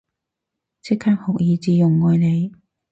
即刻學以致用，愛你